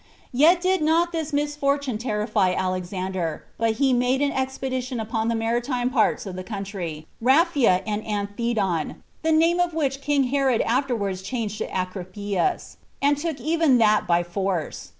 Yet did not this misfortune terrify Alexander; but he made an expedition upon the maritime parts of the country, Raphia and Anthedon, [the name of which king Herod afterwards changed to Agrippias,] and took even that by force.